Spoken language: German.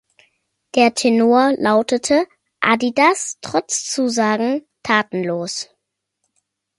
Der Tenor lautete: "adidas trotz Zusagen tatenlos".